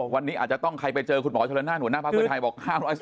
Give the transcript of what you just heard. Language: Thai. วันนี้อาจจะต้องใครไปเจอคุณหมอชนละนานหัวหน้าภาคเพื่อไทยบอก